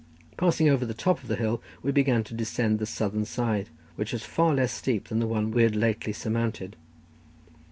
Passing over the top of the hill, we began to descend the southern side, which was far less steep than the one we had lately surmounted.